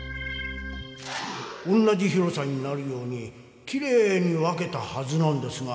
同じ広さになるようにきれいに分けたはずなんですが。